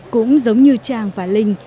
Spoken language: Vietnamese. cũng giống như trang và linh